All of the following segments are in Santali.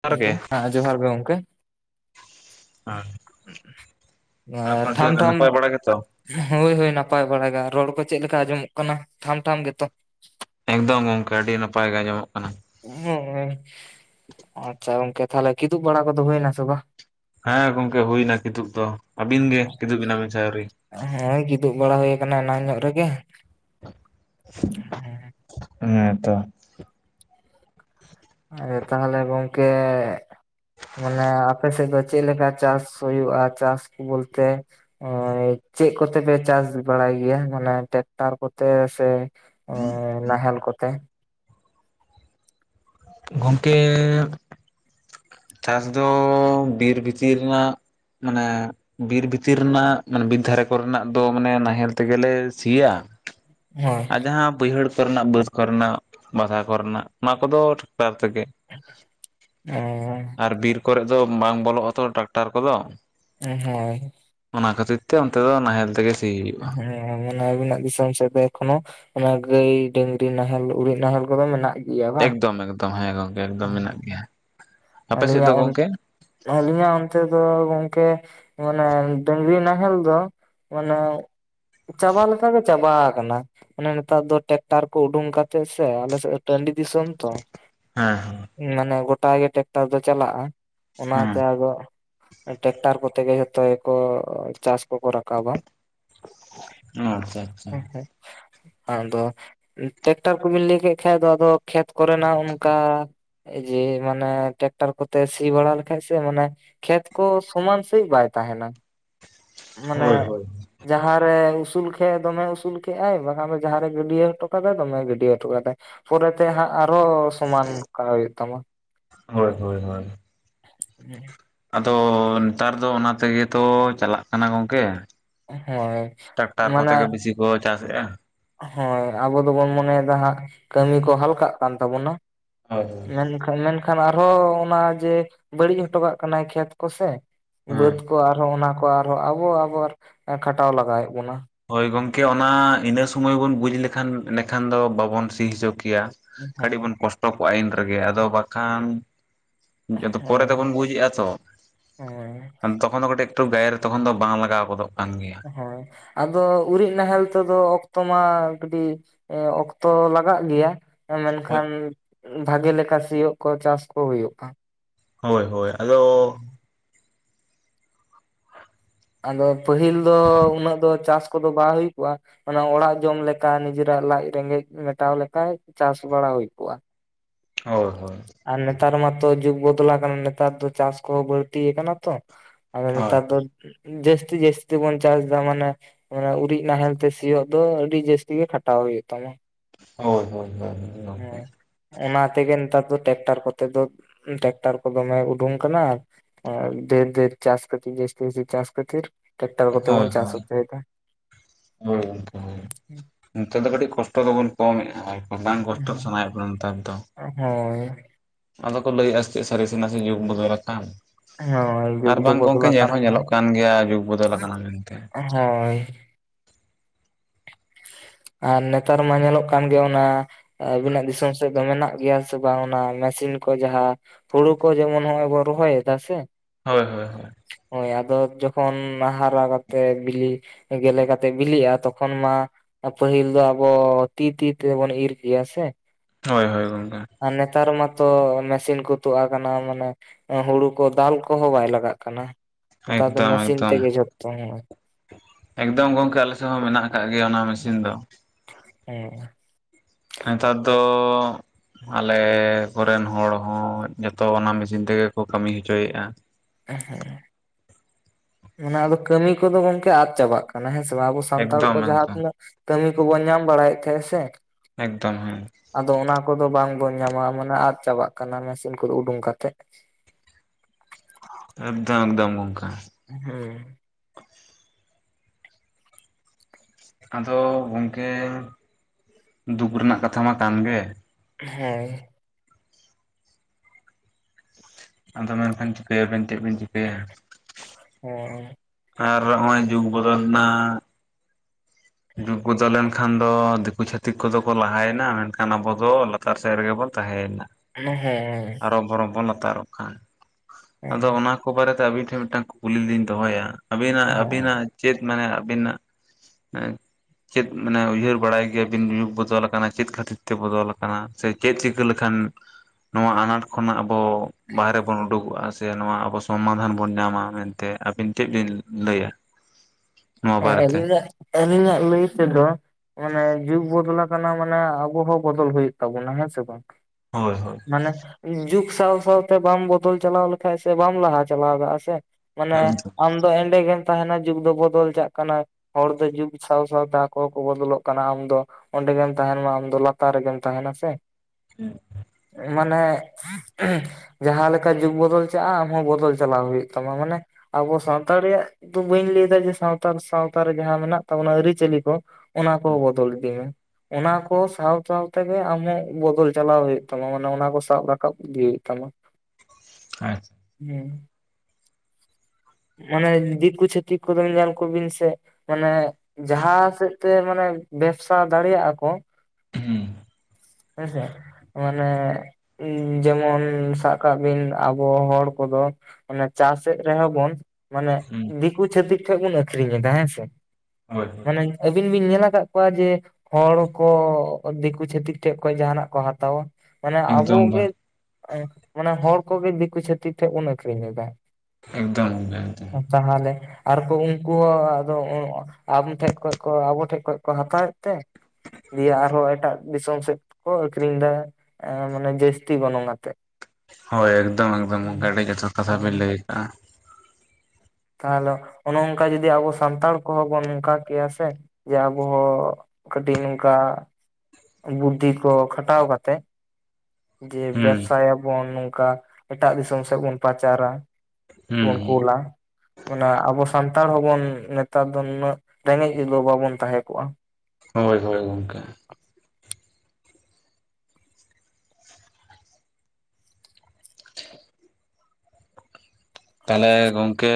ᱡᱚᱦᱟᱨ [inaudible] ᱦᱮᱸ ᱡᱚᱦᱟᱨ ᱜᱚᱝᱠᱮ ᱦᱮᱸ ᱟᱨ ᱴᱷᱟᱢ ᱚᱠᱟᱥᱮᱫ ᱨᱮ ᱴᱷᱟᱢ ᱱᱟᱯᱟᱭ ᱵᱟᱲᱟ ᱜᱮᱛᱳ ᱦᱳᱭ ᱦᱳᱭ ᱱᱟᱯᱟᱭ ᱵᱟᱲᱟᱭ ᱜᱮ ᱨᱚᱲ ᱠᱚ ᱪᱮᱫ ᱞᱮᱠᱟ ᱟᱸᱡᱚᱢᱚᱜ ᱠᱟᱱᱟ ᱴᱷᱟᱢ ᱴᱷᱟᱢ ᱜᱮᱛᱚ ᱮᱠᱫᱚᱢ ᱜᱚᱝᱠᱮ ᱟᱹᱰᱤ ᱱᱟᱯᱟᱭ ᱜᱮ ᱟᱸᱡᱚᱢᱚᱜ ᱠᱟᱱᱟ ᱦᱮᱸ ᱟᱪᱪᱷᱟ ᱜᱚᱝᱠᱮ ᱛᱟᱦᱚᱞᱮ ᱠᱤᱫᱩᱵ ᱵᱟᱲᱟ ᱠᱚᱫᱚ ᱦᱩᱭᱱᱟ ᱥᱮ ᱵᱟᱝ ᱦᱮᱸ ᱜᱚᱝᱠᱮ ᱦᱩᱭᱱᱟ ᱠᱤᱛᱩᱵ ᱫᱚ ᱟᱹᱵᱤᱱ ᱜᱮ ᱠᱤᱫᱩᱵ ᱱᱟᱵᱤᱱ ᱥᱮ ᱟᱹᱣᱨᱤ ᱦᱮᱸ ᱠᱤᱫᱩᱵᱽ ᱵᱟᱲᱟ ᱦᱩᱭ ᱟᱠᱟᱱᱟ ᱮᱱᱟᱝ ᱧᱚᱜ ᱨᱮᱜᱮ ᱦᱮᱸᱛᱳ ᱦᱮᱸ ᱛᱟᱦᱚᱞᱮ ᱜᱚᱝᱠᱮ ᱢᱟᱱᱮ ᱟᱯᱮᱥᱮᱫ ᱫᱚ ᱪᱮᱫ ᱞᱮᱠᱟ ᱪᱟᱥ ᱦᱩᱭᱩᱜᱼᱟ ᱪᱟᱥ ᱵᱚᱞᱛᱮ ᱪᱮᱫ ᱠᱚᱛᱮᱯᱮ ᱪᱟᱥ ᱵᱟᱲᱟᱭ ᱜᱮᱭᱟ ᱢᱟᱱᱮ ᱴᱮᱠᱴᱟᱨ ᱠᱚᱛᱮ ᱥᱮ ᱱᱟᱦᱮᱞ ᱠᱚᱛᱮ ᱜᱚᱝᱠᱮ ᱪᱟᱥ ᱫᱚ ᱵᱤᱨ ᱵᱷᱤᱛᱤᱨ ᱨᱮᱱᱟᱜ ᱢᱟᱱᱮ ᱵᱤᱨ ᱵᱷᱤᱛᱤᱨ ᱨᱮᱱᱟᱜ ᱢᱟᱱᱮ ᱵᱤᱨ ᱫᱷᱟᱨᱮ ᱠᱚᱨᱮᱱᱟᱜ ᱫᱚ ᱢᱟᱱᱮ ᱱᱟᱦᱮᱞ ᱛᱮᱜᱮᱞᱮ ᱥᱤᱭᱟ᱾ ᱦᱳᱭ ᱟᱨ ᱡᱟᱦᱟᱸ ᱵᱟᱹᱭᱦᱟᱹᱲ ᱠᱚᱨᱮᱱᱟᱜ ᱵᱟᱹᱫᱽ ᱠᱚᱨᱮᱱᱟᱜ ᱵᱟᱫᱷᱟ ᱠᱚᱨᱮᱱᱟᱜ ᱚᱱᱟ ᱠᱚᱫᱚ ᱴᱨᱟᱠᱴᱟᱨ ᱛᱮᱜᱮ ᱚᱸᱻ ᱟᱨ ᱵᱤᱨ ᱠᱚᱨᱮᱫ ᱫᱚ ᱵᱟᱝ ᱵᱚᱞᱚᱜ ᱟᱛᱚ ᱴᱟᱠᱴᱟᱨ ᱠᱚᱫᱚ᱾ ᱩᱸ ᱦᱳᱭ᱾ ᱚᱱᱟ ᱠᱷᱟᱹᱛᱤᱨ ᱛᱮ ᱚᱱᱛᱮ ᱫᱚ ᱱᱟᱦᱮᱞ ᱛᱮᱜᱮ ᱥᱤ ᱦᱩᱭᱩᱜᱼᱟ᱾ ᱦᱮᱸ ᱦᱮᱸ ᱢᱟᱱᱮ ᱟᱵᱤᱱᱟᱜ ᱫᱤᱥᱚᱢ ᱥᱮᱫ ᱫᱚ ᱮᱠᱷᱚᱱᱳ ᱚᱱᱟ ᱜᱟᱹᱭ ᱰᱝᱨᱤ ᱱᱟᱦᱮᱞ ᱩᱨᱤᱡ ᱱᱟᱦᱮᱞ ᱠᱚᱫᱚ ᱢᱮᱱᱟᱜ ᱜᱮᱭᱟ ᱵᱟᱝ? ᱮᱠᱫᱚᱢ ᱮᱠᱫᱚᱢ ᱦᱮᱸ ᱜᱚᱢᱠᱮ ᱮᱠᱫᱚᱢ ᱢᱮᱱᱟᱜ ᱜᱮᱭᱟ᱾ ᱟᱯᱮ ᱥᱮᱫ ᱫᱚ ᱟᱞᱤᱧᱟᱜ ᱚᱞ ᱜᱚᱝᱠᱮ? ᱟᱹᱞᱤᱧᱟ ᱚᱱᱛᱮ ᱫᱚ ᱜᱚᱢᱠᱮ ᱢᱟᱱᱮ ᱰᱟᱝᱨᱤ ᱱᱟᱦᱮᱞ ᱫᱚ ᱢᱟᱱᱮ ᱪᱟᱵᱟ ᱞᱮᱠᱟ ᱜᱮ ᱪᱟᱵᱟ ᱟᱠᱟᱱᱟ᱾ ᱟᱱᱮ ᱱᱮᱛᱟᱨ ᱫᱚ ᱴᱨᱮᱠᱴᱟᱨ ᱠᱚ ᱩᱰᱩᱝ ᱠᱟᱛᱮᱜ ᱥᱮ ᱟᱞᱮᱥᱮᱫ ᱫᱚ ᱴᱟᱺᱰᱤ ᱫᱤᱥᱚᱢ ᱛᱚ ᱦᱮᱸ ᱢᱟᱱᱮ ᱜᱚᱴᱟᱜᱮ ᱴᱨᱮᱠᱴᱟᱨ ᱫᱚ ᱪᱟᱞᱟᱜᱼᱟ ᱦᱮᱸ ᱚᱱᱟᱛᱮ ᱟᱫᱚ ᱴᱨᱮᱠᱴᱟᱨ ᱠᱚᱛᱮ ᱜᱮ ᱡᱷᱚᱛᱚ ᱜᱮᱠᱚ ᱪᱟᱥ ᱠᱚᱠᱚ ᱨᱟᱠᱟᱵᱟ᱾ ᱚ ᱟᱪᱪᱷᱟ ᱟᱪᱪᱷᱟ ᱦᱮᱸ ᱥᱮ᱾ ᱟᱫᱚ ᱴᱮᱠᱴᱟᱨ ᱠᱚᱵᱤᱱ ᱞᱟᱹᱭ ᱠᱮᱫ ᱠᱷᱟᱡ ᱫᱚ ᱟᱫᱚ ᱠᱷᱮᱛ ᱠᱚᱨᱮᱱᱟᱜ ᱚᱱᱠᱟ ᱮ ᱡᱮ ᱢᱟᱱᱮ ᱴᱮᱠᱴᱟᱨ ᱠᱚᱛᱮ ᱥᱤ ᱵᱟᱲᱟ ᱞᱮᱠᱷᱟᱡ ᱥᱮ ᱢᱟᱱᱮ ᱠᱷᱮᱛ ᱠᱚ ᱥᱚᱢᱟᱱ ᱥᱟᱹᱦᱤᱡ ᱵᱟᱭ ᱛᱟᱦᱮᱸᱱᱟ᱾ ᱢᱟᱱᱮ ᱦᱳᱭ ᱦᱳᱭ ᱡᱟᱦᱟᱸᱨᱮ ᱩᱥᱩᱞ ᱠᱷᱮᱛ ᱫᱚᱢᱮ ᱩᱥᱩᱞ ᱠᱮᱜ-ᱟᱭ ᱵᱟᱠᱷᱟᱱ ᱫᱚ ᱡᱟᱦᱟᱸᱨᱮ ᱜᱟᱹᱰᱤᱭᱟᱹ ᱦᱚᱴᱩ ᱠᱟᱫᱟᱭ ᱫᱚᱢᱮ ᱜᱟᱹᱰᱤᱭᱟᱹ ᱦᱚᱴᱩ ᱠᱟᱫᱟᱭ᱾ ᱯᱚᱨᱮᱛᱮ ᱦᱟᱸᱜ ᱟᱨᱦᱚ ᱥᱚᱢᱟᱱ ᱠᱟᱜ ᱦᱩᱭᱩᱜ ᱛᱟᱢᱟ᱾ ᱦᱳᱭ ᱦᱳᱭ ᱦᱳᱭ᱾ [unintelligible] ᱟᱫᱚ ᱱᱮᱛᱟᱨ ᱫᱚ ᱚᱱᱟ ᱛᱮᱜᱮ ᱛᱚ ᱪᱟᱞᱟᱜ ᱠᱟᱱᱟ ᱜᱚᱢᱠᱮ ᱦᱳᱭ ᱾ ᱴᱟᱠᱴᱟᱨ ᱠᱚᱛᱮ ᱢᱟᱱᱮ ᱜᱮ ᱵᱮᱥᱤ ᱠᱚ ᱪᱟᱥᱮᱜ-ᱟ᱾ ᱦᱳᱭ ᱟᱵᱚ ᱫᱚᱵᱚᱱ ᱢᱚᱱᱮᱭᱮᱫᱟ ᱦᱟᱸᱜ ᱠᱟᱹᱢᱤ ᱠᱚ ᱦᱟᱞᱠᱟᱜ ᱠᱟᱱ ᱛᱟᱵᱚᱱᱟ᱾ ᱦᱳᱭ ᱦᱳᱭ ᱢᱮᱱᱠᱷᱟᱡ ᱢᱮᱱ ᱠᱷᱟᱱ ᱟᱨᱦᱚᱸ ᱚᱱᱟ ᱡᱮ ᱵᱟᱹᱲᱤᱡ ᱦᱚᱴᱚᱠᱟᱜ ᱠᱟᱱᱟᱭ ᱠᱷᱮᱛ ᱠᱚᱥᱮ ᱦᱮᱸ ᱵᱟᱹᱫᱽ ᱠᱚ᱾ ᱵᱚ ᱟᱨᱦᱚᱸ ᱚᱱᱟ ᱠᱚ ᱟᱨᱦᱚᱸ ᱟᱵᱚ ᱟᱵᱚ ᱠᱷᱟᱴᱟᱣ ᱞᱟᱜᱟᱣᱮᱫ ᱵᱚᱱᱟ᱾ ᱦᱳᱭ ᱜᱚᱢᱠᱮ ᱚᱱᱟ ᱤᱱᱟᱹ ᱥᱩᱢᱚᱭ ᱵᱚᱱ ᱵᱩᱡᱽ ᱞᱮᱠᱷᱟᱱ ᱮᱸᱰᱮ ᱠᱷᱟᱱ ᱫᱚ ᱵᱟᱵᱚᱱ ᱥᱤ ᱦᱚᱪᱚ ᱠᱮᱭᱟ᱾ ᱠᱟᱹᱴᱤᱡ ᱦᱳᱭ ᱵᱚᱱ ᱠᱚᱥᱴᱚ ᱠᱚᱜ-ᱟ ᱤᱱ ᱨᱮᱜᱮ ᱟᱫᱚ ᱵᱟᱠᱷᱟᱱ ᱡᱚᱛᱚ ᱯᱚᱨᱮ ᱦᱳᱭ ᱛᱮᱵᱚᱱ ᱵᱩᱡᱮᱜ-ᱟ ᱛᱚ, ᱦᱳᱭ ᱟᱫᱚ ᱛᱚᱠᱷᱚᱱ ᱫᱚ ᱠᱟᱹᱴᱤᱡ ᱛᱚ ᱜᱟᱭᱮ ᱨᱮ ᱛᱚᱠᱷᱚᱱ ᱫᱚ ᱵᱟᱝ ᱞᱟᱜᱟᱣ ᱜᱚᱫᱚᱜ ᱠᱟᱱ ᱜᱮᱭᱟ᱾ ᱦᱳᱭ ᱟᱫᱚ ᱩᱨᱤᱡ ᱱᱟᱦᱮᱞ ᱛᱮᱫᱚ ᱚᱠᱛᱚ ᱢᱟ ᱠᱟᱹᱴᱤᱡ ᱮ ᱚᱠᱛᱚ ᱞᱟᱜᱟᱜ ᱜᱮᱭᱟ᱾ ᱦᱮᱸ ᱢᱮᱱᱠᱷᱟᱱ ᱵᱷᱟᱜᱮ ᱞᱮᱠᱟ ᱥᱤᱭᱳᱜ ᱠᱚ ᱪᱟᱥ ᱠᱚ ᱦᱳᱭᱳᱜ-ᱟ᱾ ᱦᱳᱭ ᱦᱳᱭ ᱟᱫᱚ ᱟᱫᱚ ᱯᱟᱹᱦᱤᱞ ᱫᱚ ᱩᱱᱟᱹᱜ ᱫᱚ ᱪᱟᱥ ᱠᱚᱫᱚ ᱵᱟᱝ ᱦᱩᱭ ᱠᱚᱜ-ᱟ᱾ ᱚᱱᱟ ᱚᱲᱟᱜ ᱡᱚᱢ ᱞᱮᱠᱟ ᱱᱤᱡᱮᱨᱟᱜ ᱞᱟᱡ ᱨᱮᱸᱜᱮᱡ ᱢᱮᱴᱟᱣ ᱞᱮᱠᱟᱭ ᱪᱟᱥ ᱵᱟᱲᱟ ᱦᱩᱭ ᱠᱚᱜ-ᱟ᱾ ᱦᱳᱭ ᱦᱳᱭ᱾ ᱟᱨ ᱱᱮᱛᱟᱨ ᱢᱟᱛᱚ ᱡᱩᱜᱽ ᱵᱚᱫᱚᱞ ᱟᱠᱟᱱᱟ ᱱᱮᱛᱟᱨ ᱫᱚ ᱪᱟᱥ ᱠᱚ ᱵᱟᱹᱲᱛᱤ ᱟᱠᱟᱱᱟ ᱛᱚ᱾ ᱟᱫᱚ ᱦᱳᱭ ᱱᱮᱛᱟᱨ ᱫᱚ ᱡᱟᱹᱥᱛᱤ ᱡᱟᱹᱥᱛᱤ ᱵᱚᱱ ᱪᱟᱥᱫᱟ ᱢᱟᱱᱮ ᱢᱟᱱᱮ ᱩᱨᱤᱡ ᱱᱟᱦᱮᱞ ᱛᱮ ᱥᱤᱭᱳᱜ ᱫᱚ ᱟᱹᱰᱤ ᱡᱟᱹᱥᱛᱤ ᱜᱮ ᱠᱷᱟᱴᱟᱣ ᱦᱳᱭᱳᱜ ᱛᱟᱢᱟ᱾ ᱦᱳᱭ ᱦᱳᱭ ᱦᱳᱭ᱾ ᱦᱮᱸ ᱚᱱᱟ ᱛᱮᱜᱮ ᱱᱮᱛᱟᱨ ᱫᱚ ᱴᱮᱠᱴᱟᱨ ᱠᱚᱛᱮ ᱫᱚ ᱴᱮᱠᱴᱟᱨ ᱠᱚ ᱫᱚᱢᱮ ᱩᱰᱩᱝ ᱠᱟᱱᱟ ᱟᱨ ᱰᱷᱮᱨ ᱰᱷᱮᱨ ᱪᱟᱥ ᱠᱷᱟᱹᱛᱤᱨ ᱡᱟᱹᱥᱛᱤ ᱡᱟᱹᱥᱛᱤ ᱪᱟᱥ ᱠᱷᱟᱹᱛᱤᱨ ᱴᱮᱠᱴᱟᱨ ᱠᱚᱛᱮ ᱦᱳᱭ ᱵᱚᱱ ᱪᱟᱥ ᱦᱚᱪᱚᱭᱮᱫᱟ ᱦᱳᱭ ᱜᱚᱝᱠᱮ ᱦᱳᱭ ᱱᱮᱛᱟᱨ ᱫᱚ ᱠᱟᱹᱴᱤᱡ ᱠᱚᱥᱴᱚ ᱫᱚᱵᱚᱱ ᱠᱚᱢᱮᱫ-ᱟ ᱟᱨ ᱵᱟᱝ ᱠᱚᱥᱴᱚᱜ ᱥᱟᱱᱟᱭᱮᱫ ᱵᱚᱱᱟ ᱱᱮᱛᱟᱨ ᱫᱚ ᱦᱳᱭ ᱟᱫᱚ ᱠᱚ ᱞᱟᱹᱭᱮᱫ-ᱟ ᱪᱮᱫ ᱥᱟᱹᱨᱤ ᱥᱮ ᱱᱟᱥᱮ ᱡᱩᱜᱽ ᱵᱚᱫᱚᱞ ᱟᱠᱟᱱ ᱦᱳᱭ ᱟᱨ ᱡᱩᱜᱽ ᱫᱚ ᱵᱟᱝ ᱵᱚᱫᱚᱞ ᱜᱚᱝᱠᱮ ᱧᱮᱞ ᱟᱠᱟᱱ ᱦᱚᱸ ᱜᱮᱭᱟ ᱧᱮᱞᱚᱜ ᱠᱟᱱ ᱜᱮᱭᱟ ᱡᱩᱜᱽ ᱵᱚᱫᱚᱞ ᱟᱠᱟᱱᱟ ᱢᱮᱱᱛᱮ᱾ ᱦᱳᱭ ᱟᱨ ᱱᱮᱛᱟᱨ ᱢᱟ ᱧᱮᱞᱚᱜ ᱠᱟᱱ ᱜᱮᱭᱟ ᱚᱱᱟ ᱟᱹᱵᱤᱱᱟᱜ ᱫᱤᱥᱚᱢ ᱥᱮᱫ ᱫᱚ ᱢᱮᱱᱟᱜ ᱜᱮᱭᱟ ᱥᱮ ᱵᱟᱝ ᱚᱱᱟ ᱢᱮᱥᱤᱱ ᱠᱚ ᱡᱟᱦᱟᱸ? ᱦᱩᱲᱩ ᱠᱚ ᱡᱮᱢᱚᱱ ᱦᱚᱸᱜᱚᱭ ᱵᱚᱱ ᱨᱚᱦᱚᱭ ᱮᱫᱟ ᱥᱮ ᱦᱳᱭ ᱦᱳᱭ ᱦᱳᱭ ᱦᱳᱭ ᱟᱫᱚ ᱡᱚᱠᱷᱚᱱ ᱦᱟᱨᱟ ᱠᱟᱛᱮ ᱵᱤᱞᱤ ᱜᱮᱞᱮ ᱠᱟᱛᱮᱜ ᱵᱤᱞᱤᱜ-ᱟ ᱛᱚᱠᱷᱚᱱ ᱢᱟ ᱯᱟᱹᱦᱤᱞ ᱫᱚ ᱟᱵᱚ ᱛᱤ ᱛᱤ ᱛᱮᱵᱚᱱ ᱤᱨ ᱜᱮᱭᱟ ᱥᱮ? ᱦᱳᱭ ᱦᱳᱭ ᱜᱚᱝᱠᱮ ᱟᱨ ᱱᱮᱛᱟᱨ ᱢᱟᱛᱚ ᱢᱮᱥᱤᱱ ᱠᱚ ᱛᱩᱫ ᱟᱠᱟᱱᱟ ᱢᱟᱱᱮ ᱦᱩᱲᱩ ᱠᱚ ᱫᱟᱞ ᱠᱚᱦᱚᱸ ᱵᱟᱭ ᱞᱟᱜᱟᱜ ᱠᱟᱱᱟ ᱱᱮᱛᱟᱨ ᱫᱚ ᱮᱠᱫᱚᱢ ᱢᱮᱥᱤᱱ ᱮᱠᱫᱚᱢ ᱛᱮᱜᱮ ᱡᱚᱛᱚ ᱦᱟᱜ ᱮᱠᱫᱚᱢ ᱜᱚᱝᱠᱮ ᱟᱞᱮ ᱥᱮᱫ ᱦᱚᱸ ᱢᱮᱱᱟᱜ ᱟᱠᱟᱜ ᱜᱮᱭᱟ ᱚᱱᱟ ᱢᱮᱥᱤᱱ ᱫᱚ ᱦᱮᱸ ᱱᱮᱛᱟᱨ ᱫᱚ ᱟᱞᱮ ᱠᱚᱨᱮᱱ ᱦᱚᱲ ᱦᱚᱸ ᱡᱚᱛᱚ ᱚᱱᱟ ᱢᱮᱥᱤᱱ ᱛᱮᱜᱮ ᱠᱚ ᱠᱟᱹᱢᱤ ᱦᱚᱪᱚᱭᱮᱫᱼᱟ᱾ ᱚᱱᱟ ᱟᱫᱚ ᱠᱟᱹᱢᱤ ᱠᱚᱫᱚ ᱜᱚᱝᱠᱮ ᱟᱫ ᱪᱟᱵᱟᱜ ᱠᱟᱱᱟ ᱦᱮᱸ ᱥᱮ ᱵᱟᱝ ᱟᱵᱚ ᱥᱟᱱᱛᱟᱲ ᱮᱠᱫᱚᱢ ᱠᱚ ᱡᱟᱦᱟᱸ ᱮᱠᱫᱚᱢ ᱛᱤᱱᱟᱹᱜ ᱠᱟᱹᱢᱤ ᱠᱚᱵᱚᱱ ᱧᱟᱢ ᱵᱟᱲᱟᱭᱮᱫ ᱛᱟᱦᱮᱸᱜᱸ ᱥᱮ ᱮᱠᱫᱚᱢ ᱦᱮᱸ ᱟᱫᱚ ᱚᱱᱟ ᱠᱚᱫᱚ ᱵᱟᱝᱵᱚᱱ ᱧᱟᱢᱟ ᱢᱟᱱᱮ ᱟᱫ ᱪᱟᱵᱟᱜ ᱠᱟᱱᱟ ᱢᱮᱥᱤᱱ ᱠᱚ ᱩᱰᱩᱝ ᱠᱟᱛᱮᱜ᱾ ᱮᱠᱫᱚᱢ ᱮᱠᱫᱚᱢ ᱜᱚᱝᱠᱮ ᱦᱩᱸ ᱟᱫᱚ ᱜᱚᱝᱠᱮ ᱫᱩᱠ ᱨᱮᱱᱟᱜ ᱠᱟᱛᱷᱟ ᱢᱟ ᱠᱟᱱ ᱜᱮ ᱦᱮᱸ ᱟᱫᱚ ᱢᱮᱱᱠᱷᱟᱱ ᱪᱤᱠᱟᱹᱭᱟᱵᱮᱱ ᱪᱮᱫ ᱵᱮᱱ ᱪᱤᱠᱟᱹᱭᱟ ᱦᱮ ᱟᱨ ᱦᱚᱜᱚᱭ ᱡᱩᱜᱽ ᱵᱚᱫᱚᱞ ᱱᱟ ᱡᱩᱜ ᱵᱚᱫᱚᱞ ᱞᱮᱱᱠᱷᱟᱱ ᱫᱚ ᱫᱤᱠᱩ ᱪᱷᱷᱟᱛᱤᱠ ᱠᱚᱫᱚ ᱠᱚ ᱞᱟᱦᱟᱭᱮᱱᱟ ᱢᱮᱱᱠᱷᱟᱱ ᱟᱵᱚ ᱫᱚ ᱞᱟᱛ ᱛᱟᱨ ᱥᱮᱫ ᱨᱮᱜᱮ ᱵᱚᱱ ᱛᱟᱦᱮᱸᱭᱮᱱᱟ ᱦᱮᱸ ᱨᱚᱵᱚ ᱨᱚᱵᱷᱚ ᱵᱚᱱ ᱞᱟᱛᱟᱨᱚᱜ ᱠᱟᱱ ᱟᱫᱚ ᱚᱱᱟ ᱠᱚ ᱵᱟᱨᱮᱛᱮ ᱟᱵᱤᱱ ᱴᱷᱮᱱ ᱢᱤᱫᱴᱟᱝ ᱠᱩᱠᱞᱤ ᱞᱤᱧ ᱫᱚᱦᱚᱭᱟ ᱟᱹᱵᱤᱱᱟᱜ ᱦᱮᱸ ᱟᱹᱵᱤᱱᱟᱜ ᱪᱮᱫ ᱢᱟᱱᱮ ᱟᱹᱵᱤᱱᱟᱜ ᱮ ᱪᱮᱫ ᱢᱟᱱᱮ ᱩᱭᱦᱟᱹᱨ ᱵᱟᱲᱟᱭ ᱜᱮᱭᱟ ᱵᱤᱱ ᱡᱩᱜᱽ ᱵᱚᱫᱚᱞ ᱟᱠᱟᱱᱟ ᱪᱮᱫ ᱠᱷᱟᱹᱛᱤᱨ ᱛᱮ ᱵᱚᱫᱚᱞ ᱟᱠᱟᱱᱟ ᱥᱮ ᱪᱮᱫ ᱪᱤᱠᱟᱹ ᱞᱮᱠᱷᱟᱱ ᱱᱚᱣᱟ ᱟᱱᱟᱴ ᱠᱷᱚᱱᱟᱜ ᱟᱵᱚ ᱵᱟᱦᱨᱮ ᱵᱚᱱ ᱩᱰᱩᱠᱚᱜᱼᱟ ᱥᱮ ᱱᱚᱣᱟ ᱟᱵᱚ ᱥᱚᱢᱟᱫᱷᱟᱱ ᱵᱚᱱ ᱧᱟᱢᱟ ᱢᱮᱱᱛᱮ ᱛᱮ ᱟᱹᱵᱤᱱ ᱪᱮᱫ ᱵᱤᱱ ᱞᱟᱹᱭᱟ? ᱱᱚᱣᱟ ᱮ ᱵᱟᱨᱮᱛᱮ? ᱟᱹᱞᱤᱧᱟᱜ ᱟᱹᱞᱤᱧᱟᱜ ᱞᱟᱹᱭ ᱛᱮᱫᱚ ᱢᱟᱱᱮ ᱡᱩᱜᱽ ᱵᱚᱫᱞᱟ ᱟᱠᱟᱱᱟ ᱢᱟᱱᱮ ᱟᱵᱚ ᱦᱚᱸ ᱵᱚᱫᱚᱞ ᱦᱩᱭᱩᱜ ᱛᱟᱵᱚᱱᱟ ᱦᱮᱸ ᱥᱮ ᱵᱟᱝ? ᱦᱳᱭ ᱦᱳᱭ ᱢᱟᱱᱮ ᱡᱩᱜᱽ ᱥᱟᱶ ᱥᱟᱶᱛᱮ ᱵᱟᱢ ᱵᱚᱫᱚᱞ ᱪᱟᱞᱟᱣ ᱞᱮᱠᱷᱟᱱᱡ ᱥᱮ ᱵᱟᱢ ᱞᱟᱦᱟ ᱪᱟᱞᱟᱣ ᱫᱟᱲᱮᱜᱼᱟᱥᱮ? ᱢᱟᱱᱮ ᱮᱠᱫᱚᱢ ᱟᱢ ᱫᱚ ᱮᱸᱰᱮᱜᱮᱢ ᱛᱟᱦᱮᱱᱟ ᱡᱩᱜᱽ ᱫᱚ ᱵᱚᱫᱚᱞ ᱪᱟᱜ ᱠᱟᱱᱟ ᱦᱚᱲ ᱫᱚ ᱡᱩᱜᱽ ᱥᱟᱶ ᱥᱟᱶ ᱡᱟᱦᱟᱸ ᱠᱚᱦᱚᱸ ᱠᱚ ᱵᱚᱫᱚᱞᱚᱜ ᱠᱟᱱᱟ ᱟᱢᱫᱚ ᱚᱸᱰᱮ ᱜᱮᱢ ᱛᱟᱦᱮᱱ ᱢᱟ ᱟᱢ ᱫᱚ ᱞᱟᱛᱟᱨ ᱨᱮᱜᱮᱢ ᱛᱟᱦᱮᱱᱟ ᱥᱮ ᱢᱟᱱᱮ ᱡᱟᱦᱟᱸ ᱞᱮᱠᱟ ᱡᱩᱜᱽ ᱵᱚᱫᱚᱞ ᱪᱟᱜᱼᱟ ᱟᱢ ᱦᱚᱸ ᱵᱚᱫᱚᱞ ᱪᱟᱞᱟᱣ ᱦᱩᱭᱩᱜ ᱛᱟᱢᱟ ᱢᱟᱱᱮ ᱟᱵᱚ ᱥᱟᱱᱛᱟᱲ ᱨᱮᱭᱟᱜ ᱫᱚ ᱵᱟᱹᱧ ᱞᱟᱹᱭᱫᱟ ᱡᱮ ᱥᱟ ᱥᱟᱱᱛᱟᱲ ᱥᱟᱶᱛᱟ ᱨᱮ ᱡᱟᱦᱟᱸ ᱢᱮᱱᱟᱜ ᱛᱟᱵᱚᱱᱟ ᱟᱹᱨᱤᱪᱟᱹᱞᱤ ᱠᱚ ᱚᱱᱟ ᱠᱚᱸ ᱵᱚᱫᱚᱞ ᱤᱫᱤ ᱢᱮ᱾ ᱚᱱᱟ ᱠᱚ ᱥᱟᱶ ᱥᱟᱶ ᱛᱮᱜᱮ ᱟᱢᱟᱜ ᱵᱚᱫᱚᱞ ᱪᱟᱞᱟᱣ ᱦᱩᱭᱩᱜ ᱛᱟᱢᱟ ᱢᱟᱱᱮ ᱚᱱᱟᱠᱩ ᱥᱟᱵ ᱨᱟᱠᱟᱵ ᱤᱫᱤᱭ ᱛᱟᱢ᱾ [unintelligible] ᱦᱩᱸ᱾ ᱢᱟᱱᱮ ᱫᱤᱠᱩ ᱪᱷᱟᱹᱛᱤᱠ ᱠᱚᱫᱚ ᱧᱮᱞ ᱠᱚᱵᱤᱱ ᱥᱮ ᱢᱟᱱᱮ ᱡᱟᱦᱟᱸ ᱥᱮᱫ ᱛᱮ ᱢᱟᱱᱮ ᱵᱮᱵᱥᱟ ᱫᱟᱲᱮᱭᱟᱜᱼᱟ ᱠᱚ ᱦᱩᱸ ᱦᱮᱸᱥᱮ ᱢᱟᱱᱮ ᱡᱮᱢᱚᱱ ᱥᱟᱵ ᱠᱟᱜ ᱵᱤᱱ ᱟᱵᱚ ᱦᱚᱲ ᱠᱚᱫᱚ ᱚᱱᱟ ᱪᱟᱥᱮᱫ ᱨᱮᱦᱚᱸ ᱵᱚᱱ ᱢᱟᱱᱮ ᱦᱩᱸ ᱫᱤᱠᱩ ᱪᱷᱟᱹᱛᱤᱠ ᱴᱷᱮᱱ ᱵᱚᱱ ᱟᱹᱷᱨᱤᱧ ᱮᱫᱟ ᱦᱮᱸᱥᱮ ᱦᱳᱭ ᱦᱳᱭ ᱢᱟᱱᱮ ᱟᱹᱵᱤᱱ ᱵᱤᱱ ᱧᱮᱞ ᱟᱠᱟᱫ ᱠᱚᱣᱟ ᱡᱮ ᱦᱚᱲ ᱠᱚ ᱫᱤᱠᱩ ᱪᱷᱟᱹᱛᱤᱠ ᱴᱷᱮᱡ ᱠᱷᱚᱱ ᱡᱟᱦᱱᱟᱜ ᱠᱚ ᱦᱟᱛᱟᱣᱟ? ᱢᱟᱱᱮ ᱟᱵᱚ ᱮᱠᱫᱚᱢ ᱜᱮ ᱵᱟᱝ ᱢᱟᱱᱮ ᱦᱚᱲ ᱠᱚᱜᱮ ᱫᱤᱠᱩ ᱪᱷᱟᱛᱤᱠ ᱴᱷᱮᱱ ᱵᱚᱱ ᱟᱹᱠᱷᱨᱤᱧ ᱮᱫᱟ᱾ ᱮᱠᱫᱚᱢ ᱮᱠᱫᱚᱢ᱾ ᱛᱟᱦᱚᱞᱮ᱾ ᱟᱨᱠᱚ ᱩᱱᱠᱩ ᱦᱚᱸ ᱟᱫᱚ ᱟᱢ ᱴᱷᱮᱱ ᱠᱷᱚᱱ ᱠᱚ ᱟᱵᱚ ᱴᱷᱮᱱ ᱠᱷᱚᱱ ᱠᱚ ᱦᱟᱛᱟᱣᱮᱫ ᱛᱮ ᱫᱤᱭᱮ ᱟᱨᱦᱚᱸ ᱮᱴᱟᱜ ᱫᱤᱥᱚᱢ ᱥᱮᱫ ᱠᱚ ᱟᱹᱷᱨᱤᱧ ᱮᱫᱟ᱾ ᱢᱟᱱᱮ ᱡᱟᱹᱥᱛᱤ ᱜᱚᱱᱚᱝ ᱟᱛᱮ᱾ ᱦᱳᱭ ᱮᱠᱫᱚᱢ ᱮᱠᱫᱚᱢ ᱟᱹᱰᱤ ᱡᱚᱛᱚ ᱚ ᱠᱟᱛᱷᱟ ᱵᱮᱱ ᱞᱟᱹᱭ ᱟᱠᱟᱫᱼᱟ᱾ ᱛᱟᱦᱚᱞᱮ ᱚᱱᱮ ᱚᱱᱠᱟ ᱡᱩᱫᱤ ᱟᱵᱚ ᱥᱟᱱᱛᱟᱲ ᱠᱚᱦᱚᱸ ᱵᱚᱱ ᱱᱚᱝᱠᱟ ᱠᱮᱭᱟ ᱥᱮ ᱡᱮ ᱟᱵᱚ ᱦᱚᱸ ᱠᱟᱹᱴᱤᱡ ᱱᱚᱝᱠᱟ ᱵᱩᱫᱽᱫᱷᱤ ᱠᱚ ᱠᱷᱟᱴᱟᱣ ᱠᱟᱛᱮᱜ ᱡᱮ ᱦᱩᱸ ᱵᱮᱵᱥᱟᱭᱟᱵᱚᱱ ᱱᱚᱝᱠᱟ ᱮᱴᱟᱜ ᱫᱤᱥᱚᱢ ᱥᱮᱫ ᱵᱚᱱ ᱯᱟᱪᱟᱨᱟ᱾ ᱥᱮ ᱦᱩᱸ ᱵᱚᱱ ᱠᱩᱞᱟ ᱚᱱᱟ ᱟᱵᱚ ᱥᱟᱱᱛᱟᱲ ᱦᱚᱵᱚᱱ ᱱᱮᱛᱟᱨ ᱫᱚ ᱱᱩᱱᱟᱹᱜ ᱨᱮᱸᱜᱮᱡ ᱫᱚ ᱵᱟᱵᱚᱱ ᱛᱟᱦᱮᱸ ᱠᱚᱜᱼᱟ᱾ ᱦᱳᱭ ᱦᱳᱭ ᱜᱚᱢᱠᱮ᱾ [inaudible] ᱛᱟᱦᱚᱞᱮ ᱜᱚᱝᱠᱮ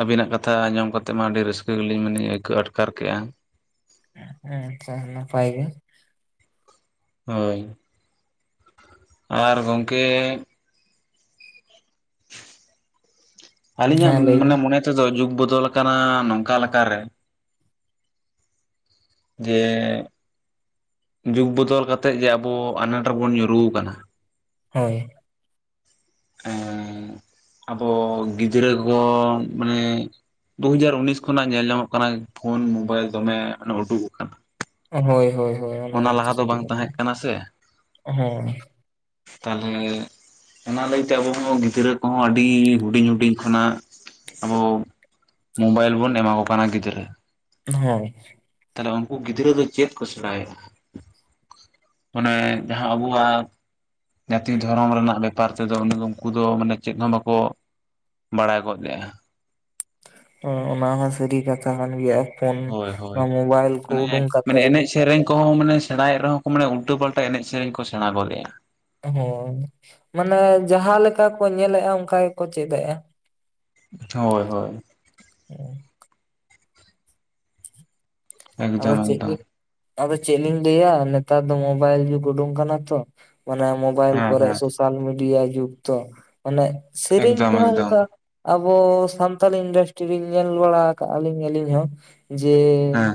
ᱟᱹᱵᱤᱱᱟᱜ ᱠᱟᱛᱷᱟ ᱟᱸᱚᱢ ᱠᱟᱛᱮᱫ ᱢᱟ ᱟᱹᱰᱤ ᱨᱟᱹᱥᱠᱟᱹ ᱜᱮᱞᱤᱧ ᱢᱟᱱᱮ ᱟᱹᱭᱠᱟᱹᱣ ᱟᱴᱠᱟᱨ ᱠᱮᱜᱼᱟ᱾ ᱦᱮᱸ ᱟᱪᱪᱷᱟ ᱱᱟᱯᱟᱭ ᱜᱮ᱾ ᱦᱳᱭ᱾ ᱟᱨ ᱜᱚᱝᱠᱮ ᱟᱹᱞᱤᱧᱟᱜ ᱦᱮᱸ ᱞᱟᱹᱭ ᱢᱟᱱᱮ ᱵᱤᱱ ᱢᱚᱱᱮ ᱛᱮᱫᱚ ᱡᱩᱜᱽ ᱵᱚᱫᱚᱞ ᱟᱠᱟᱱᱟ ᱱᱚᱝᱠᱟ ᱞᱮᱠᱟᱨᱮ ᱡᱮ ᱡᱩᱜᱽ ᱵᱚᱫᱚᱞ ᱠᱟᱛᱮᱫ ᱡᱮ ᱟᱵᱚ ᱟᱱᱟᱴ ᱨᱮᱵᱚᱱ ᱧᱩᱨᱩᱣ ᱟᱠᱟᱱᱟ᱾ ᱦᱳᱭ᱾ ᱮᱸ ᱟᱵᱚ ᱜᱤᱫᱽᱨᱟᱹ ᱠᱚ ᱢᱟᱱᱮ ᱫᱩ ᱦᱟᱡᱟᱨ ᱩᱱᱤᱥ ᱠᱷᱚᱱᱟᱜ ᱧᱮᱞ ᱧᱟᱢᱚᱜ ᱠᱟᱱᱟ ᱯᱷᱳᱱ ᱢᱳᱵᱟᱭᱤᱞ ᱫᱚᱢᱮ ᱩᱰᱩᱠᱚᱜ ᱟᱠᱟᱱᱟ᱾ ᱦᱳᱭ ᱦᱳᱭ ᱦᱳ ᱚᱱᱟ ᱢᱟᱧᱪᱚ ᱞᱟᱦᱟ ᱫᱚ ᱥᱟᱹᱨᱤ ᱵᱟᱝ ᱠᱟᱛᱷᱟ ᱛᱟᱦᱮᱸ ᱠᱟᱱᱟ ᱦᱮᱸ᱾ ᱛᱟᱦᱞᱮ ᱚᱱᱟ ᱞᱟᱹᱭᱛᱮ ᱟᱵᱚ ᱦᱚᱸᱵᱚ ᱜᱤᱫᱽᱨᱟᱹ ᱠᱚᱦᱚᱸ ᱟᱹᱰᱤ ᱦᱩᱰᱤᱧ ᱦᱩᱰᱤᱧ ᱠᱷᱚᱱᱟᱜ ᱟᱵᱚ ᱢᱳᱵᱟᱭᱤᱞ ᱵᱚᱱ ᱮᱢᱟ ᱠᱚ ᱠᱟᱱᱟ ᱜᱤᱫᱽᱨᱟᱹ᱾ ᱦᱚᱭ ᱛᱟᱦᱞᱮ ᱩᱱᱠᱩ ᱜᱤᱫᱽᱨᱟᱹ ᱫᱚ ᱪᱮᱫ ᱠᱚ ᱥᱮᱬᱟᱭᱮᱜ-ᱟ ᱢᱟᱱᱮ ᱡᱟᱦᱟᱸ ᱟᱵᱚᱣᱟᱜ ᱡᱟᱛᱤ ᱫᱷᱚᱨᱚᱢ ᱨᱮᱱᱟᱜ ᱵᱮᱯᱟᱨ ᱛᱮᱫᱚ ᱫᱚ ᱩᱱᱤ ᱫᱚ ᱩᱱᱠᱩ ᱫᱚ ᱢᱟᱱᱮ ᱪᱮᱫ ᱦᱚᱸ ᱵᱟᱠᱚ ᱵᱟᱲᱟᱭ ᱜᱚᱫ ᱞᱮᱜᱼᱟᱸ ᱦᱩᱸ ᱚᱱᱟ ᱦᱚᱸ ᱥᱟᱹᱨᱤ ᱠᱟᱛᱷᱟ ᱠᱟᱱ ᱜᱮᱭᱟ ᱯᱷᱳᱱ ᱦᱳᱭ ᱚᱱᱟ ᱦᱳᱭ ᱢᱳᱵᱟᱭᱤᱞ ᱠᱚ ᱩᱰᱩᱝ ᱢᱟᱱᱮ ᱢᱟᱱᱮ ᱠᱟᱛᱮᱜ ᱮᱱᱮᱡ ᱥᱮᱨᱮᱧ ᱠᱚᱦᱚᱸ ᱢᱟᱱᱮ ᱥᱮᱬᱟᱭᱮᱫ ᱨᱮᱦᱚᱸ ᱠᱚ ᱢᱟᱱᱮ ᱩᱞᱴᱟᱹ ᱯᱟᱞᱴᱟ ᱮᱱᱮᱡ ᱥᱮᱨᱮᱧ ᱠᱚ ᱥᱮᱬᱟ ᱜᱚᱫᱮᱜᱼᱟ᱾ ᱦᱚᱸ ᱢᱟᱱᱮ ᱡᱟᱦᱟᱸ ᱞᱮᱠᱟ ᱠᱚ ᱧᱮᱞᱮᱜᱼᱟ ᱚᱱᱠᱟ ᱜᱮᱠᱚ ᱪᱮᱫᱮᱜᱼᱟ᱾ ᱦᱳᱭ ᱦᱳᱭ᱾ ᱦᱩᱸ ᱟᱫᱚ ᱮᱠᱫᱚᱢ ᱪᱮᱫ ᱵᱤ ᱮᱠᱫᱚᱢ ᱟᱫᱚ ᱪᱮᱫ ᱞᱤᱧ ᱞᱟᱹᱭᱟ ᱱᱮᱛᱟᱨ ᱫᱚ ᱢᱳᱚᱵᱟᱭᱤᱞ ᱡᱩᱜᱽ ᱩᱰᱩᱝ ᱠᱟᱱᱟ ᱛᱚ ᱢᱟᱱᱮ ᱢᱳ ᱢᱳᱵᱟᱭᱤᱞ ᱦᱮᱸ ᱠᱚᱨᱮᱜ ᱦᱮᱸ ᱥᱳᱥᱟᱞ ᱢᱤᱰᱤᱭᱟ ᱡᱩᱜᱽ ᱛᱚ ᱚᱱᱮ ᱥᱮᱨᱮᱧ ᱮᱠᱫᱚᱢ ᱠᱚᱦᱚᱸ ᱮᱠᱫᱚᱢ ᱚᱱᱠᱟ ᱟᱵᱚ ᱥᱟᱱᱛᱟᱞᱤ ᱤᱱᱰᱟᱥᱴᱨᱤᱧ ᱧᱮᱞ ᱵᱟᱲᱟ ᱟᱠᱟᱜᱼᱟ ᱞᱤᱧ ᱟᱹᱞᱤᱧ ᱦᱚᱸ ᱡᱮ ᱦᱮᱸ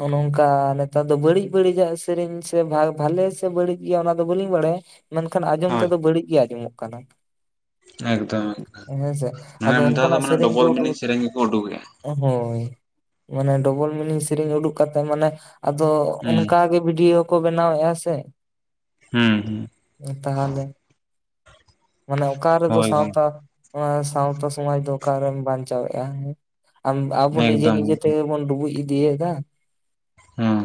ᱚᱱᱮ ᱱᱚᱝᱠᱟ ᱱᱮᱛᱟᱨ ᱫᱚ ᱵᱟᱹᱲᱤᱡ ᱵᱟᱹᱲᱤᱡᱟᱜ ᱥᱮᱨᱮᱧ ᱥᱮ ᱵᱷᱟᱭ ᱵᱷᱟᱞᱮ ᱥᱮ ᱵᱟᱹᱲᱤᱡ ᱜᱮᱭᱟ ᱚᱱᱟ ᱫᱚ ᱵᱟᱹᱞᱤᱧ ᱵᱟᱲᱟᱭ᱾ ᱢᱮᱱᱠᱷᱟᱱ ᱟᱸᱡᱚᱢ ᱦᱳᱭ ᱛᱮᱫᱚ ᱵᱟᱹᱲᱤᱡ ᱜᱮ ᱟᱸᱡᱚᱢᱚᱜ ᱠᱟᱱᱟ᱾ ᱮᱠᱫᱚᱢ ᱮᱠᱫᱚᱢ ᱦᱮᱸᱥᱮ ᱢᱟᱱᱮ ᱟᱫᱚ ᱱᱮᱛᱟᱨ ᱫᱚ ᱢᱟᱱᱮ ᱰᱚᱵᱚᱞ ᱢᱤᱱᱤᱝ ᱥᱮᱨᱮᱧ ᱜᱮᱠᱚ ᱩᱰᱩᱠᱮᱜᱼᱟ᱾ ᱮᱦᱳᱭ ᱢᱟᱱᱮ ᱰᱚᱵᱚᱞ ᱢᱤᱱᱤᱝ ᱥᱮᱨᱮᱧ ᱩᱰᱩᱜ ᱠᱟᱛᱮ ᱢᱟᱱᱮ ᱟᱫᱚ ᱦᱩᱸ ᱚᱱᱠᱟᱜ ᱜᱮ ᱵᱷᱤᱰᱤᱭᱳ ᱠᱚ ᱵᱮᱱᱟᱣᱮᱜᱼᱟ ᱥᱮ᱾ ᱦᱩᱸ ᱦᱩᱸ᱾ ᱛᱟᱦᱚᱞᱮ ᱢᱟᱱᱮ ᱚᱠᱟ ᱨᱮᱫᱚ ᱦᱳᱭ ᱥᱟᱶᱛᱟ ᱜᱚᱝᱠᱮ ᱱᱚᱣᱟ ᱥᱟᱶᱛᱟ ᱥᱚᱢᱟᱡ ᱫᱚ ᱚᱠᱟᱨᱮᱢ ᱵᱟᱧᱪᱟᱣᱮᱜᱼᱟ ᱦᱩᱸ ᱟᱵ ᱟᱵᱚ ᱱᱤᱡᱮ ᱮᱠᱫᱚᱢ ᱱᱤᱡᱮ ᱮᱠᱫᱚᱢ ᱛᱮᱜᱮ ᱵᱚᱱ ᱰᱩᱵᱩᱡ ᱤᱫᱤᱭᱮᱫᱟ᱾ ᱦᱩᱸ᱾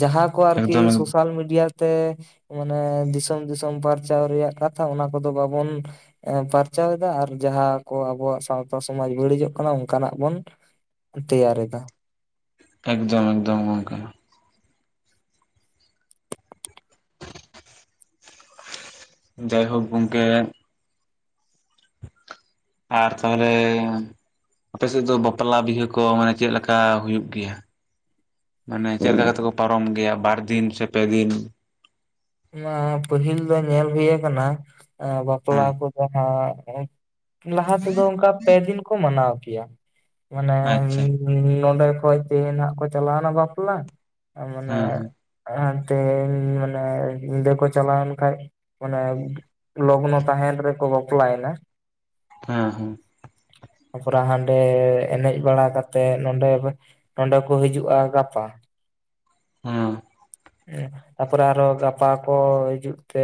ᱡᱟᱦᱟᱸ ᱠᱚ ᱟᱨᱠᱤ ᱮᱠᱫᱚᱢ ᱥᱳᱥᱟᱞ ᱢᱤᱰᱤᱭᱟ ᱛᱮ ᱢᱟᱱᱮ ᱫᱤᱥᱚᱢ ᱫᱤᱥᱚᱢ ᱯᱟᱨᱪᱟᱣ ᱨᱮᱭᱟᱜ ᱠᱟᱛᱷᱟ ᱚᱱᱟ ᱠᱚᱫᱚ ᱵᱟᱵᱚᱱ ᱯᱟᱨᱪᱟᱣᱮᱫᱟ ᱟᱨ ᱡᱟᱦᱟᱸ ᱠᱚ ᱟᱵᱚᱣᱟᱜ ᱥᱟᱶᱛᱟ ᱥᱚᱢᱟᱡᱽ ᱵᱟᱹᱲᱤᱡᱚᱜ ᱠᱟᱱᱟ ᱚᱱᱠᱟᱱᱟᱜ ᱵᱚᱱ ᱛᱮᱭᱟᱨᱮᱫᱟ᱾ ᱮᱠᱫᱚᱢ ᱮᱠᱫᱚᱢ ᱜᱚᱝᱠᱮ᱾ ᱡᱟᱭᱦᱳᱠ ᱜᱚᱝᱠᱮ ᱟᱨ ᱛᱟᱦᱚᱞᱮ ᱟᱯᱮᱥᱮᱫ ᱫᱚ ᱵᱟᱯᱞᱟ ᱵᱤᱦᱟᱹ ᱠᱚ ᱢᱟᱱᱮ ᱪᱮᱫ ᱞᱮᱠᱟ ᱦᱩᱭᱩᱜ ᱜᱮᱭᱟ ᱢᱟᱱᱮ ᱪᱮᱫ ᱞᱮᱠᱟ ᱠᱟᱛᱮ ᱠᱚ ᱯᱟᱨᱚᱢ ᱜᱮᱭᱟ ᱵᱟᱨ ᱫᱤᱱ ᱥᱮ ᱯᱮ ᱫᱤᱱ ᱮᱭᱟ ᱯᱟᱹᱦᱤᱞ ᱫᱚ ᱧᱮᱞ ᱦᱩᱭ ᱟᱠᱟᱱᱟ ᱟᱸ ᱵᱟᱯᱞᱟ ᱦᱮᱸ ᱠᱚᱫᱚ ᱱᱟᱦᱼᱟᱜ [unintelligible] ᱞᱟᱦᱟ ᱛᱮᱫᱚ ᱚᱱᱠᱟ ᱯᱮᱫᱤᱱ ᱠᱚ ᱢᱟᱱᱟᱣ ᱠᱮᱭᱟ ᱢᱟᱱᱮ ᱟᱪᱪᱷᱟ [unintelligible] ᱱᱚᱰᱮ ᱠᱷᱚᱡ ᱛᱮᱦᱮᱧ ᱱᱟᱼᱦᱟᱜ ᱠᱚ ᱪᱟᱞᱟᱣ ᱱᱟ ᱵᱟᱯᱞᱟ ᱟᱨ ᱢᱟᱱᱮ ᱦᱮᱸ ᱮ ᱛᱮᱦᱮᱧ ᱢᱟᱱᱮ ᱧᱤᱫᱟᱹ ᱠᱚ ᱪᱟᱞᱟᱣᱮᱱ ᱠᱷᱟᱡ ᱢᱟᱱᱮ ᱞᱚᱜᱱᱚ ᱛᱟᱦᱮᱭᱮᱱ ᱨᱮᱠᱚ ᱵᱟᱯᱞᱟ ᱭᱮᱱᱟ ᱦᱮᱸ ᱦᱩᱸ ᱛᱟᱯᱚᱨᱮ ᱦᱟᱰᱮ ᱮᱱᱮᱡ ᱵᱟᱲᱟ ᱠᱟᱛᱮᱜ ᱱᱚᱰᱮ ᱜᱮ ᱱᱚᱰᱮ ᱠᱚ ᱦᱤᱡᱩᱜᱼᱟ ᱜᱟᱯᱟ ᱦᱩᱸ ᱦᱩ ᱛᱟᱯᱚᱨᱮ ᱟᱨᱚ ᱜᱟᱯᱟ ᱠᱚ ᱦᱤᱡᱩᱜ ᱛᱮ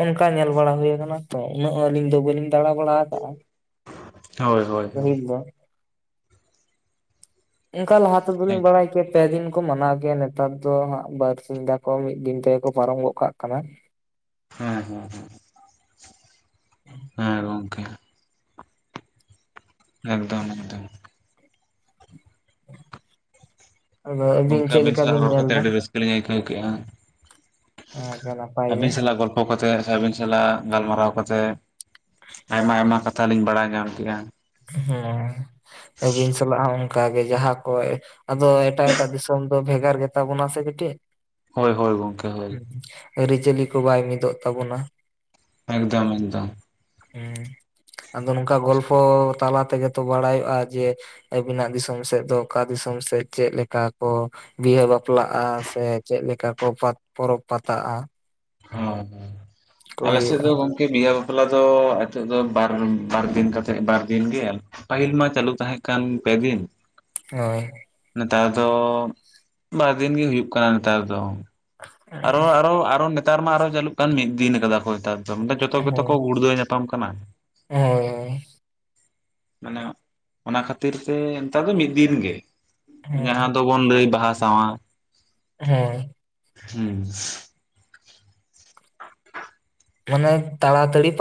ᱚᱱᱠᱟ ᱧᱮᱞ ᱵᱟᱲᱟ ᱦᱩᱭ ᱟᱠᱟᱱᱟ ᱛᱚ ᱩᱱᱟᱹᱜ ᱟᱹᱞᱤᱧ ᱫᱚ ᱵᱟᱹᱞᱤᱧ ᱫᱟᱬᱟ ᱵᱟᱲᱟ ᱟᱠᱟᱜᱼᱟ ᱾ ᱦᱳᱭ ᱾ ᱯᱟᱦᱤᱞ ᱫᱚ ᱚᱱᱠᱟ ᱞᱟᱦᱟ ᱛᱮᱫᱚᱞᱤᱧ ᱦᱮᱸ ᱵᱟᱲᱟᱭ ᱠᱮᱭᱟ ᱯᱮ ᱫᱤᱱ ᱠᱚ ᱢᱟᱱᱟᱣ ᱜᱮᱭᱟ ᱱᱮᱛᱟᱨ ᱫᱚ ᱦᱟᱜ ᱵᱟᱨ ᱥᱤᱧᱫᱟᱠᱚ ᱢᱤᱫ ᱫᱤᱱ ᱛᱮᱜᱮ ᱠᱚ ᱯᱟᱨᱚᱢ ᱜᱚᱜ ᱠᱟᱜ ᱠᱟᱱᱟ ᱾ ᱦᱮᱸ ᱦᱮᱸ ᱦᱮᱸ ᱾ ᱦᱮ ᱜᱚᱝᱠᱮ ᱾ ᱮᱠᱫᱚᱢ ᱮᱠᱫᱚᱢ ᱾ ᱟᱫᱚ ᱟᱹᱵᱤᱱ ᱜᱚᱝᱠᱮ ᱪᱮᱫ ᱟᱵᱤᱱ ᱞᱮᱠᱟ ᱥᱟᱞᱟᱜ ᱵᱤᱱ ᱨᱚᱲ ᱧᱮᱞ ᱠᱟᱛᱮ ᱮᱫᱟ ᱟᱹᱰᱤ ᱨᱟᱹᱥᱠᱟᱹ ᱞᱤᱧ ᱟᱹᱭᱠᱟᱹᱣ ᱠᱮᱜᱼᱟ ᱟᱪᱪᱷᱟ ᱱᱟᱯᱟᱭ ᱜᱮ ᱟᱹᱵᱤᱱ ᱥᱟᱞᱟᱜ ᱜᱚᱞ ᱯᱷᱚ ᱠᱟᱛᱮ ᱥᱮ ᱟᱵᱤᱱ ᱥᱟᱞᱟᱜ ᱜᱟᱞᱢᱟᱨᱟᱣ ᱠᱟᱛᱮ ᱟᱭᱢᱟ ᱟᱭᱢᱟ ᱠᱟᱛᱷᱟ ᱞᱤᱧ ᱵᱟᱲᱟᱭ ᱧᱟᱢᱠᱮᱜᱼᱟ ᱾ ᱦᱩ ᱟᱹᱵᱤᱱ ᱥᱟᱞᱟᱜ ᱦᱚ ᱚᱱᱠᱟᱜ ᱜᱮ ᱡᱟᱦᱟ ᱠᱚᱡ ᱟᱫᱚ ᱮᱴᱟᱜ ᱮᱴᱟᱜ ᱫᱤᱥᱚᱢ ᱫᱚ ᱵᱷᱮᱜᱟᱨ ᱜᱮᱛᱟ ᱵᱚᱱᱟ ᱥᱮ ᱠᱟᱴᱤᱡ ᱾ ᱦᱳᱭ ᱦᱳᱭ ᱜᱚᱝᱠᱮ ᱦᱳᱭ ᱟᱨᱤ ᱪᱟᱞᱤ ᱠᱚ ᱵᱟᱭ ᱢᱤᱫᱚᱜ ᱛᱟᱵᱚᱱᱟ ᱾ ᱮᱠᱫᱚᱢ ᱮᱠᱫᱚᱢ ᱾ ᱦᱩ ᱟᱫᱚ ᱱᱚᱝᱠᱟ ᱜᱚᱞᱯᱷᱚ ᱛᱟᱞᱟ ᱛᱮᱜᱮ ᱛᱚ ᱵᱟᱲᱟᱭᱚᱜᱼᱟ ᱡᱮ ᱾ ᱟᱵᱤᱱᱟᱜ ᱫᱤᱥᱚᱢ ᱥᱮᱫ ᱫᱚ ᱚᱠᱟ ᱫᱤᱥᱚᱢ ᱥᱮᱫ ᱪᱮᱫ ᱞᱮᱠᱟ ᱠᱚ ᱵᱤᱦᱟᱹ ᱵᱟᱯᱞᱟᱜᱼᱟ ᱥᱮ ᱪᱮᱫᱞᱮᱠᱟ ᱠᱚ ᱯᱟᱛ ᱯᱚᱨᱚᱵᱽ ᱯᱟᱛᱟᱜᱼᱟ ᱾ ᱦᱳ ᱟᱞᱮ ᱥᱮ ᱦᱩᱭᱩᱜᱼᱟ ᱫᱚ ᱜᱚᱝ ᱠᱤ ᱵᱤᱦᱟᱹ ᱵᱟᱯᱞᱟ ᱫᱚ ᱮᱛᱚᱜ ᱫᱚ ᱵᱟᱨ ᱵᱟᱨ ᱫᱤᱱ ᱠᱟᱛᱮ ᱵᱟᱨ ᱫᱤᱱ ᱜᱮ ᱯᱟᱦᱤᱞ ᱢᱟ ᱪᱟᱞᱩ ᱛᱟᱦᱮ ᱠᱟᱱ ᱯᱮ ᱫᱤᱱ ᱾ ᱦᱳᱭ ᱾ ᱱᱮᱛᱟᱨ ᱫᱚ ᱵᱟᱨᱫᱤᱱ ᱜᱮ ᱦᱩᱭᱩᱜ ᱠᱟᱱᱟ ᱱᱮᱛᱟᱨ ᱫᱚ ᱾ ᱟᱨᱚ ᱟᱨᱚ ᱟᱨᱚ ᱱᱮᱛᱟᱨ ᱢᱟ ᱟᱨᱚ ᱪᱟᱞᱩᱜ ᱠᱟᱱ ᱢᱤᱫ ᱫᱤᱱ ᱠᱟᱫᱟᱠᱚ ᱱᱮᱛᱟᱨ ᱡᱚᱛᱚ ᱜᱮᱛᱚ ᱠᱚ ᱜᱩᱲᱫᱟᱹᱣ ᱧᱟᱯᱟᱢ ᱠᱟᱱᱟ ᱾ ᱦᱮᱸ ᱾ ᱢᱟᱱᱮ ᱚᱱᱟ ᱠᱷᱟᱹᱛᱤᱨ ᱛᱮ ᱱᱮᱛᱟᱨ ᱫᱚ ᱢᱤᱫ ᱫᱤᱱ ᱜᱮ ᱦᱳᱭ ᱡᱟᱦᱟ ᱫᱚ ᱵᱚᱱ ᱞᱟᱭ ᱵᱟᱦᱟ ᱥᱟᱣᱟᱨ ᱦᱮᱸ ᱾ ᱦᱩᱸ ᱾ ᱢᱟᱱᱮ ᱛᱟᱲᱟ ᱛᱟᱲᱤ ᱯᱟ